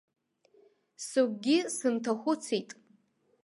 Сыгәгьы сынҭахәыцит.